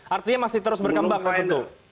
artinya masih terus berkembang waktu itu